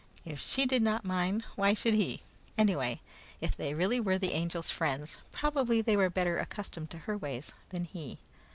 If she did not mind, why should he? Anyway, if they really were the Angel's friends, probably they were better accustomed to her ways than he.